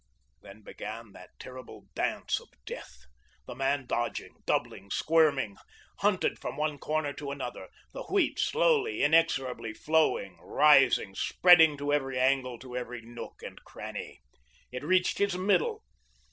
Then began that terrible dance of death; the man dodging, doubling, squirming, hunted from one corner to another, the wheat slowly, inexorably flowing, rising, spreading to every angle, to every nook and cranny. It reached his middle.